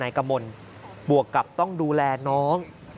กมลบวกกับต้องดูแลน้อง